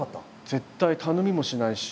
絶対頼みもしないし。